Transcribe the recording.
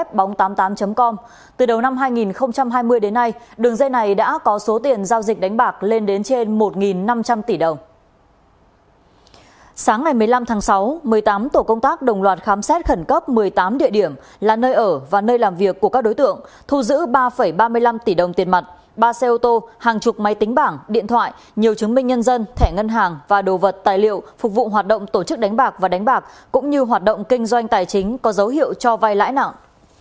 sáng ngày một mươi năm tháng sáu một mươi tám tổ công tác đồng loạt khám xét khẩn cấp một mươi tám địa điểm là nơi ở và nơi làm việc của các đối tượng thu giữ ba ba mươi năm tỷ đồng tiền mặt ba xe ô tô hàng chục máy tính bảng điện thoại nhiều chứng minh nhân dân thẻ ngân hàng và đồ vật tài liệu phục vụ hoạt động tổ chức đánh bạc và đánh bạc cũng như hoạt động kinh doanh tài chính có dấu hiệu cho vai lãi nặng